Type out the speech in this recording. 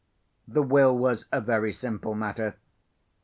The will was a very simple matter.